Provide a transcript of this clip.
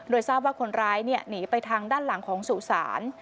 โดยทราบว่าคนร้ายหนีไปทางด้านหลังของสุสาน